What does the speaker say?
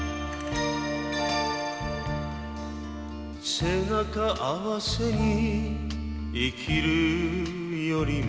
「背中合わせに生きるよりも」